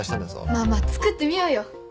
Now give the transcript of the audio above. まあまあ作ってみようよ。